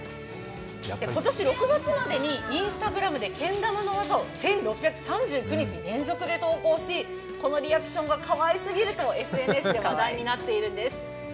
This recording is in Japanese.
今年６月までにＩｎｓｔａｇｒａｍでけん玉の技を１６３９日、連続で投稿しこのリアクションがかわきすぎるとＳＮＳで話題になっているんです。